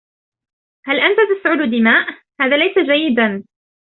هل أنتَ تسعل دماء ؟ هذا ليس جيداً.